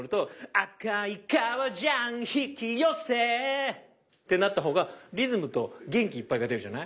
「赤い皮ジャン引き寄せ」ってなったほうがリズムと元気いっぱいが出るじゃない？